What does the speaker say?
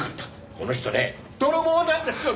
この人ね泥棒なんですよ。